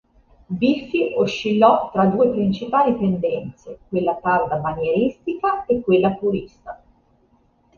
Biffi oscillò tra due principali tendenze: quella tarda manieristica e quella purista.